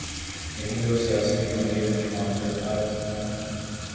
لیکن جو سیاسی نوعیت کے معاملات ہوں۔